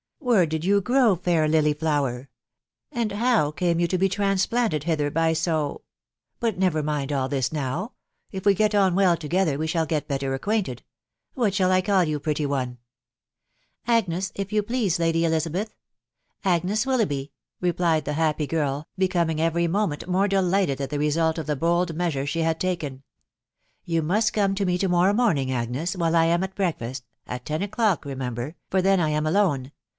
..• Where did you grow, fair lily flower ?..•. And how came you to be transplanted hither by so •••. But never mind all this now ; if we get on well together we shall get better acquainted. What shall I call you, pretty one ?"" Agnes, if you please, Lady Elizabeth .... Agnes Wit loughby," replied the happy girl, becoming every moment more delighted at the result of the bold measure she had taken* " You must come to me to morrow morning, Agnes, while I am at breakfast, at ten o'clock remember, for then I am alone.